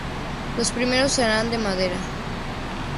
Los primeros se harán en madera.